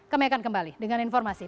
kami akan kembali dengan informasi